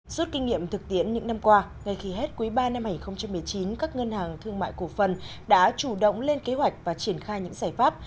suốt kinh nghiệm thực tiễn những năm qua ngay khi hết quý ba năm hai nghìn một mươi chín các ngân hàng thương mại cổ phần đã chủ động lên kế hoạch và triển khai những giải pháp